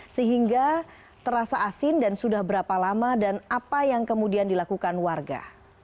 sehingga terasa asin dan sudah berapa lama dan apa yang kemudian dilakukan warga